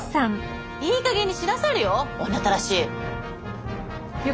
いいかげんにしなされよ女ったらし。